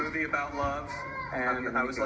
เข้าถึงออสการ์